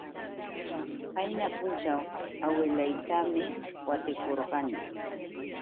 Qayna punćhaw awilaytam watukurqani.